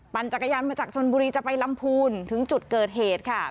จักรยานมาจากชนบุรีจะไปลำพูนถึงจุดเกิดเหตุค่ะ